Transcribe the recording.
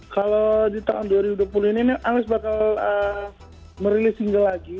kalau di tahun dua ribu dua puluh ini anies bakal merilis single lagi